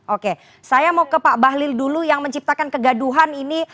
oke saya mau ke pak bahlil dulu yang menciptakan kegaduhan ini